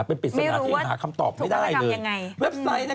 เป็นปริศนาที่หาคำตอบไม่ได้เลย